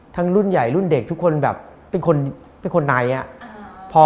ทั้งรุ่นใหญ่รุ่นเด็กทุกคนเป็นคนไหน